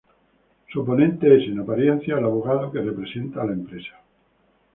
Su oponente es, en apariencia, el abogado que representa a la empresa.